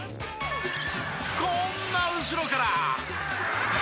こんな後ろから。